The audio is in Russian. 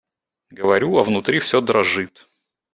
Говорю, а внутри все дрожит.